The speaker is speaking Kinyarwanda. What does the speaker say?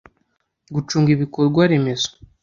Gucunga ibikorwa remezo